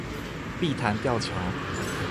碧潭吊橋